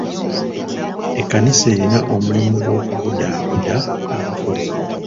Ekkanisa erina omulimu gw'okubudaabuda abagole.